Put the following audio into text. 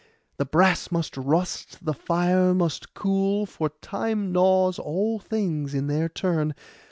The brass must rust, the fire must cool, for time gnaws all things in their turn.